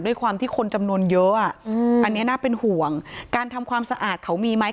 ด้วยความที่คนจำนวนเยอะอ่ะอืมอันนี้น่าเป็นห่วงการทำความสะอาดเขามีไหม